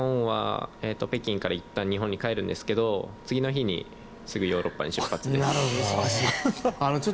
北京からいったん日本に帰るんですけど次の日にすぐヨーロッパに出発です。